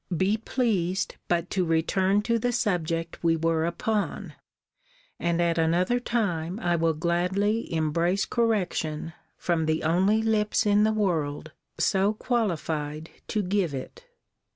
Be pleased but to return to the subject we were upon; and at another time I will gladly embrace correction from the only lips in the world so qualified to give it.